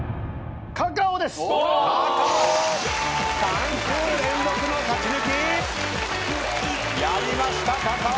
３週連続の勝ち抜き！やりましたｃａｃａｏ！